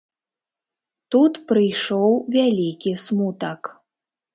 Тут прыйшоў вялікі смутак.